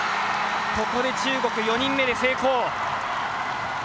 ここで中国、４人目で成功。